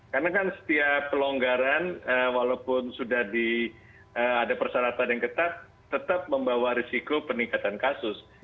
karena kan setiap pelonggaran walaupun sudah ada persyaratan yang ketat tetap membawa risiko peningkatan kasus